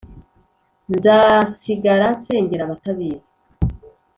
nzasigara nsengera abatabizi,